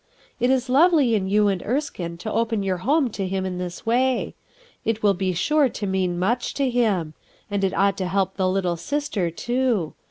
It is lovely in you and Erskine to open your home to him in this way; it will be sure to mean much to him; and it ought to help the little sister, too.